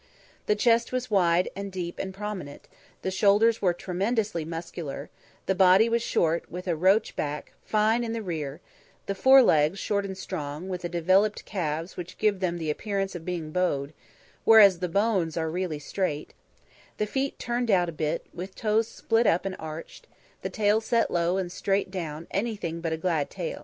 The chest was wide and deep and prominent; the shoulders were tremendously muscular; the body was short, with a Roach back, fine in the rear; the forelegs, short and strong, with the developed calves which give them the appearance of being bowed, whereas the bones are really straight; the feet turned out a bit, with toes split up and arched; the tail set low and straight down and anything but a glad tail.